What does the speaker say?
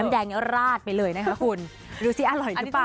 แดงราดไปเลยนะคะคุณดูสิอร่อยหรือเปล่า